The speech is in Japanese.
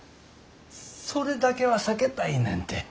それだけは避けたいねんて。